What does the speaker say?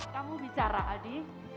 kamu bicara adi